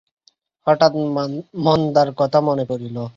হঠাৎ মন্দার কথা মনে পড়িল।